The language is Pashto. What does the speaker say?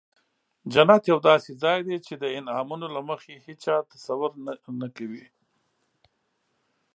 جنت یو داسې ځای دی چې د انعامونو له مخې هیچا تصور نه کوي.